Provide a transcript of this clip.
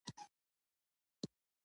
قلم د خلکو ذهنونو ته وده ورکوي